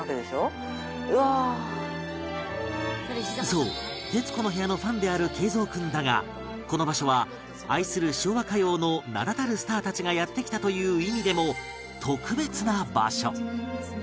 そう『徹子の部屋』のファンである桂三君だがこの場所は愛する昭和歌謡の名だたるスターたちがやって来たという意味でも特別な場所